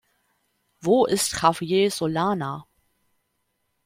Wo ist Javier Solana?